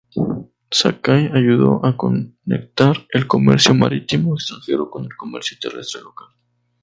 Sakai ayudó a conectar el comercio marítimo extranjero con el comercio terrestre local.